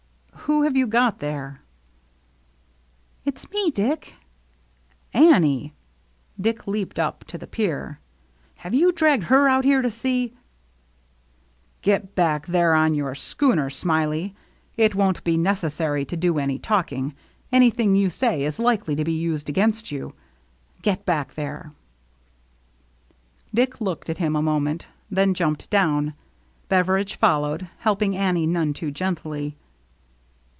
" Who have you got there ?"" It's me, Dick." " Annie !" Dick leaped up to the pier. " Have you dragged her out here to see —"" Get back there on your schooner, Smiley. It won't be necessary to do any talking. Any thing you say is likely to be used against you. Get back there." Dick looked at him a moment, then jumped down. Beveridge followed, helping Annie, none too gently.